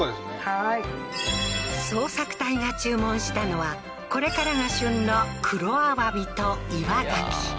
はい捜索隊が注文したのはこれからが旬の黒アワビと岩牡蠣